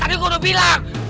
tadi gue udah bilang